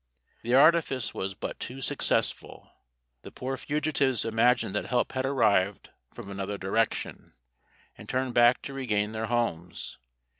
The artifice was but too successful. The poor fugitives imagined that help had arrived from another direction, and turned back to regain their homes.